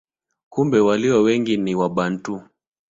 Kumbe walio wengi ni Wabantu.